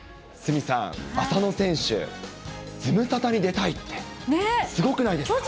鷲見さん、浅野選手、ズムサタに出たいって、すごくないですか。